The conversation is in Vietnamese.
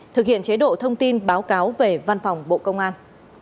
thực hiện chế độ thông tin báo cáo về văn phòng bộ công an